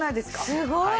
すごい！